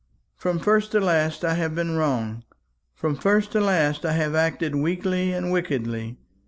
From first to last I have been wrong. From first to last I have acted weakly and wickedly.